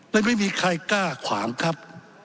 และไม่มีใครกล้าขวางครับ